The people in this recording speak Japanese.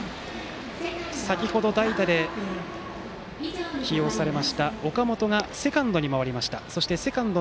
先程、代打で起用された岡本がセカンドに回りました。